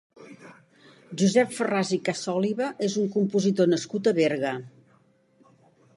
Josep Farràs i Casòliva és un compositor nascut a Berga.